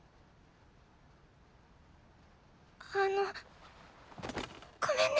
あのごめんね。